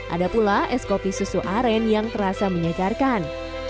ada pula es kopi susu aren yang terasa menyegarkan